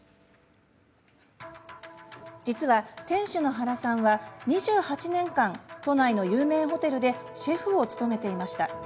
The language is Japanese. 実は、店主の原さんは２８年間、都内の有名ホテルでシェフを務めていました。